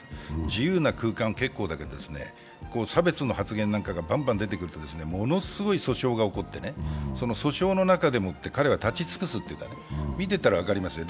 自由な空間は結構ですけど差別の発言なんかがばんばん起きてくるとものすごい訴訟が起こって、その訴訟の中でもって、彼は立ち尽くすというか、見てたら分かりますよ。